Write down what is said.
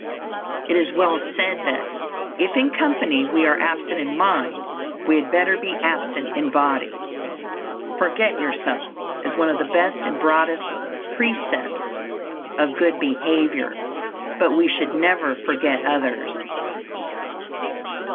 It is well said that "if in company we are absent in mind, we had better be absent in body." "Forget yourself" is one of the best and broadest precepts of good behavior; but we should never forget others.